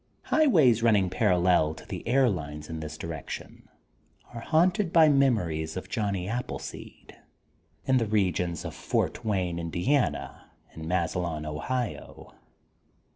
Highways running parallel to the air lines in this direction are haunted by mem ories of Johnny Appleseed, in the regions of Fort Wayne, Indiana, and Massilon, Ohio.